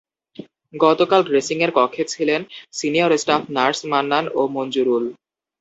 গতকাল ড্রেসিংয়ের কক্ষে ছিলেন সিনিয়র স্টাফ নার্স মান্নান ও মঞ্জুরুল।